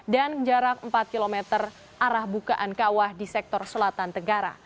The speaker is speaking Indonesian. dan jarak empat km arah bukaan kawah di sektor selatan tenggara